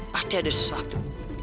pasti ada sesuatu